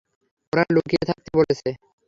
ওরা লুকিয়ে থাকতে বলেছে।